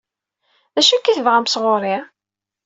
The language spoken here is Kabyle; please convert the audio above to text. D acu akka i tebɣam sɣur-i?